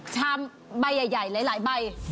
ชามใบใหญ่หลายใบ